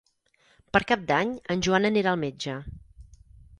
Per Cap d'Any en Joan anirà al metge.